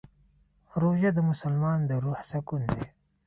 روژه د مسلمان د روح سکون دی.